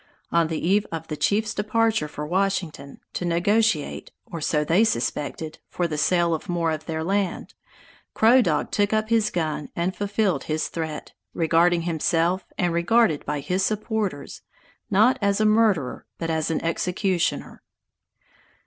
On the eve of the chief's departure for Washington, to negotiate (or so they suspected) for the sale of more of their land, Crow Dog took up his gun and fulfilled his threat, regarding himself, and regarded by his supporters, not as a murderer, but as an executioner.